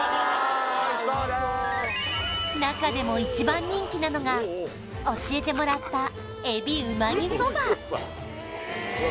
中でも一番人気なのが教えてもらったえびうま煮そば